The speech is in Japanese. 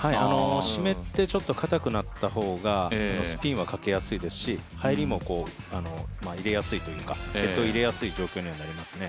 湿って、ちょっとかたくなった方がスピンはかけやすいですし入りも入れやすいというかヘッドを入れやすい状況にはなりますね。